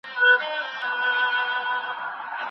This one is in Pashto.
که غوښه پخه کړو نو طاقت نه کمیږي.